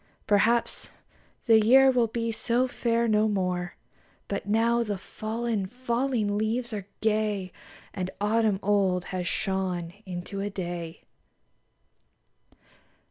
Perhaps the year will be so fair no more, But now the fallen, falling leaves are gay, And autumn old has shone into a Day!